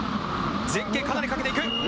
前傾、かなりかけていく。